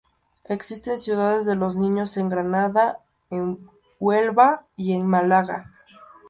Existen Ciudades de los Niños en Granada, en Huelva y en Málaga.